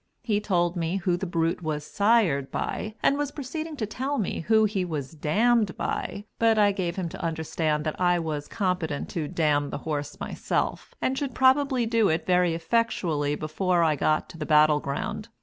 He told me who the brute was "sired" by, and was proceeding to tell me who he was "dammed" by, but I gave him to understand that I was competent to damn the horse myself, and should probably do it very effectually before I got to the battle ground.